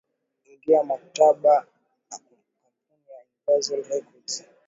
ingia mkataba na kampuni ya universal records